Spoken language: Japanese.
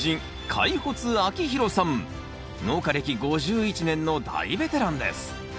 農家歴５１年の大ベテランです。